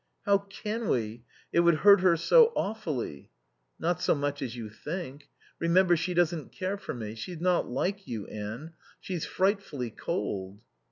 "How can we? It would hurt her so awfully." "Not so much as you think. Remember, she doesn't care for me. She's not like you, Anne. She's frightfully cold."